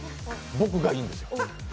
僕がいいんですよ。